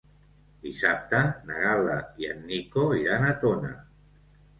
Dissabte na Gal·la i en Nico iran a Tona.